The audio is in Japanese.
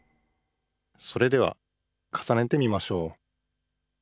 「それではかさねてみましょう」